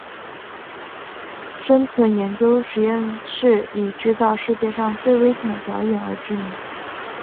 生存研究实验室以制造世界上最危险的表演而知名。